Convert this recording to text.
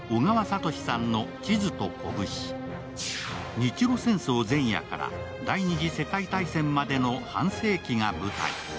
日露戦争前夜から第２次世界大戦までの半世紀が舞台。